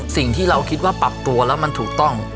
สิ่งที่เราคิดว่าปรับตัวแล้วมันถูกต้อง